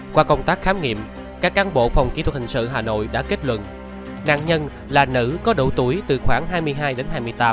qua công tác khám nghiệm các cán bộ phòng kỹ thuật hình sự hà nội đã kết luận nạn nhân là nữ có độ tuổi từ khoảng hai mươi hai đến hai mươi tám